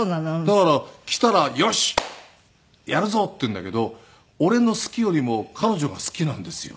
だから来たら「よしやるぞ」って言うんだけど俺の好きよりも彼女が好きなんですよ